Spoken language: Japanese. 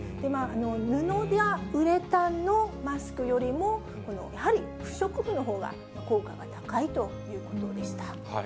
布やウレタンのマスクよりも、このやはり不織布のほうが効果が高いということでした。